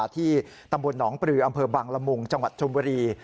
ที่ตำบลหนองปลืออำเภอบังละมุงจังหวัดชมบุรี